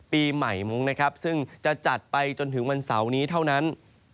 ปีใหม่มุ้งนะครับซึ่งจะจัดไปจนถึงวันเสาร์นี้เท่านั้น